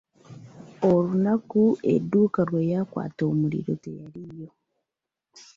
Olunaku edduuka lwe lyakwata omuliro teyaliiwo.